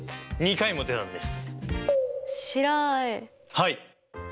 はい！